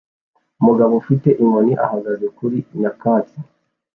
Umugabo ufite inkoni ahagaze kuri nyakatsi